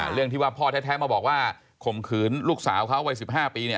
เรื่องที่ว่าพ่อแท้มาบอกว่าข่มขืนลูกสาวเขาวัย๑๕ปี